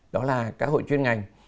đó là các hội chuyên ngành